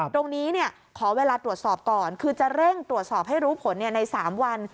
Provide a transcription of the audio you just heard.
ตรงนี้ขอเวลาตรวจสอบก่อนคือจะเร่งตรวจสอบให้รู้ผลใน๓วัน